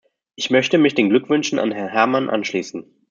Ich möchte mich den Glückwünschen an Herrn Herman anschließen.